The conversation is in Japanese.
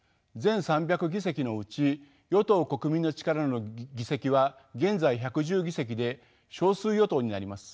全３００議席のうち与党「国民の力」の議席は現在１１０議席で少数与党になります。